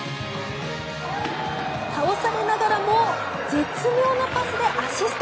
倒されながらも絶妙なパスでアシスト。